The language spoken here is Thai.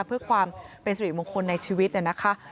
เพื่อความเป็นสิริมงคลในชีวิตนะคะ